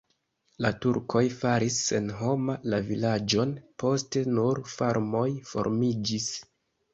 La turkoj faris senhoma la vilaĝon, poste nur farmoj formiĝis.